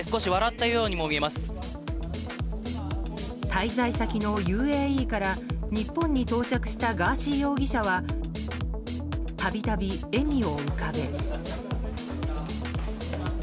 滞在先のＵＡＥから日本に到着したガーシー容疑者は度々、笑みを浮かべ。